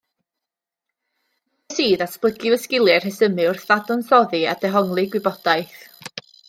Mi wnes i ddatblygu fy sgiliau rhesymu wrth ddadansoddi a dehongli gwybodaeth